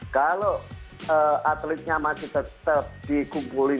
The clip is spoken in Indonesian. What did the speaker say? kalau atletnya masih tetap dikumpulin